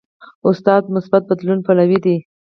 استاد د مثبت بدلون پلوی دی.